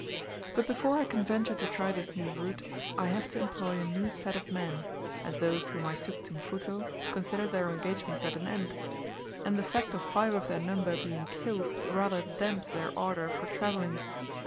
But before I can venture to try this new route, I have to employ a new set of men, as those whom I took to Mfuto consider their engagements at an end, and the fact of five of their number being killed rather damps their ardor for travelling.